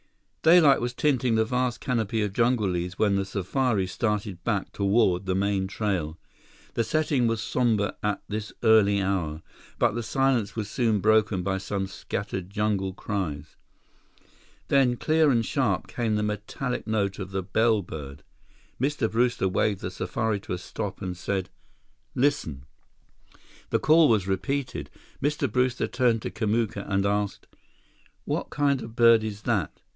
Daylight was tinting the vast canopy of jungle leaves when the safari started back toward the main trail. The setting was somber at this early hour, but the silence was soon broken by some scattered jungle cries. Then, clear and sharp, came the metallic note of the bellbird. Mr. Brewster waved the safari to a stop and said: "Listen." The call was repeated. Mr. Brewster turned to Kamuka and asked: "What kind of bird is that?